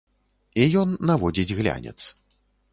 І ён наводзіць глянец.